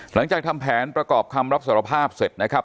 ทำแผนประกอบคำรับสารภาพเสร็จนะครับ